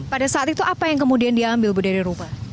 pada saat itu apa yang kemudian diambil berdiri rupa